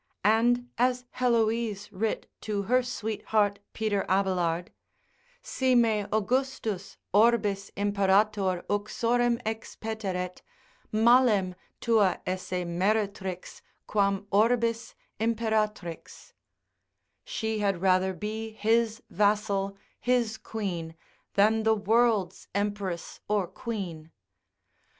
And as Heloise writ to her sweetheart Peter Abelard, Si me Augustus orbis imperator uxorem expeteret, mallem tua esse meretrix quam orbis imperatrix; she had rather be his vassal, his quean, than the world's empress or queen.